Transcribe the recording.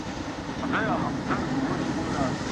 د بریا زینه یوازي لایقو کسانو ته نه سي سپارل کېدلای.